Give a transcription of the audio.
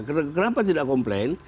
kenapa tidak komplain